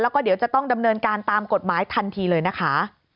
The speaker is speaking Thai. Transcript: แล้วก็เดี๋ยวจะต้องดำเนินการตามกฎหมายทันทีเลยนะคะ